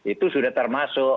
itu sudah termasuk